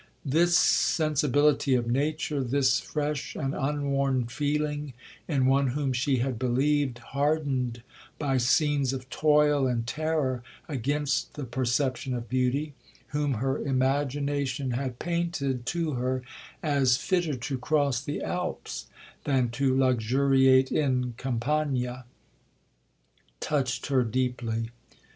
This sensibility of nature, this fresh and unworn feeling, in one whom she had believed hardened by scenes of toil and terror against the perception of beauty,—whom her imagination had painted to her as fitter to cross the Alps, than to luxuriate in Campania,—touched her deeply.